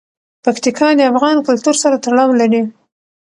پکتیکا د افغان کلتور سره تړاو لري.